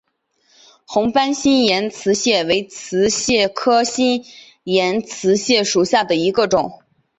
红斑新岩瓷蟹为瓷蟹科新岩瓷蟹属下的一个种。